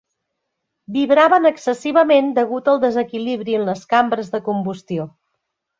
Vibraven excessivament degut al desequilibri en les cambres de combustió.